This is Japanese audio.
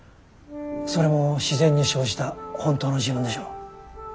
それも自然に生じた本当の自分でしょう。